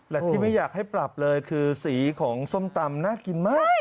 และที่ไม่อยากให้ปรับเลยคือสีของส้มตำน่ากินมาก